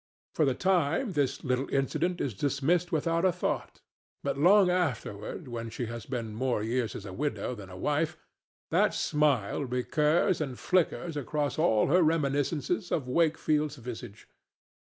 For the time this little incident is dismissed without a thought, but long afterward, when she has been more years a widow than a wife, that smile recurs and flickers across all her reminiscences of Wakefield's visage.